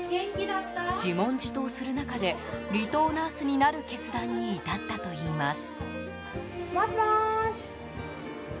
自問自答する中で離島ナースになる決断に至ったといいます。